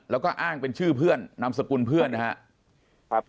แล้วก็อ้างเป็นชื่อเพื่อนนามสกุลเพื่อนนะครับ